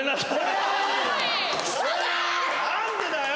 何でだよ！